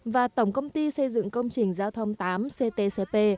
và tổng công ty xây dựng công trình giao thông tám ctcp